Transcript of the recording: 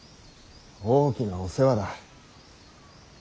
大きなお世話だ。